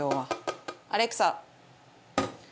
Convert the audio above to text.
アレクサ。